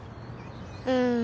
うん。